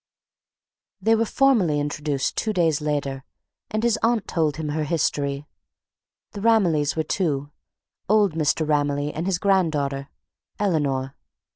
They were formally introduced two days later, and his aunt told him her history. The Ramillys were two: old Mr. Ramilly and his granddaughter, Eleanor.